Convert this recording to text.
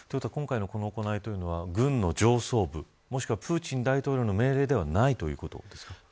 今回のこの行いというのは軍の上層部もしくはプーチン大統領の命令ではないということですか。